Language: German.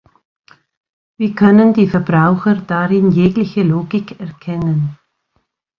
Wie können die Verbraucher darin jegliche Logik erkennen?